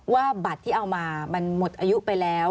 ว่าบัตรที่เอามามันหมดอายุไปแล้ว